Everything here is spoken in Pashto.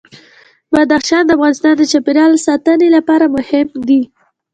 بدخشان د افغانستان د چاپیریال ساتنې لپاره مهم دي.